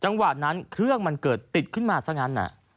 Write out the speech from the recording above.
จังหวะนั้นเครื่องมันเกิดติดขึ้นมาซะงั้น